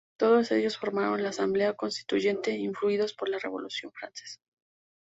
Todos ellos formaron la "Asamblea Constituyente" influidos por la Revolución francesa.